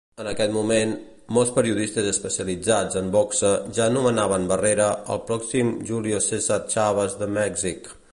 En aquest moment, molts periodistes especialitzats en boxa ja anomenaven Barrera "El pròxim Julio César Chávez de Mèxic".